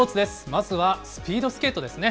まずはスピードスケートですね。